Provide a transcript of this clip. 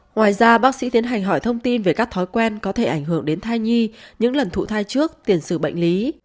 ngoài ra bác sĩ tiến hành hỏi thông tin về các thói quen có thể ảnh hưởng đến thai nhi những lần thụ thai trước tiền xử bệnh lý